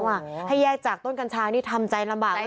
ให้แยกจากต้นกัญชานี่ทำใจลำบาก